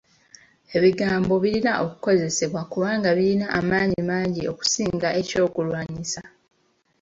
Ebigambo birina okukozesebwa kubanga birina amaanyi mangi okusinga eky'okulwanyisa.